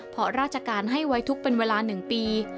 เพราะราชการให้ไว้ทุกข์เป็นเวลา๑ปี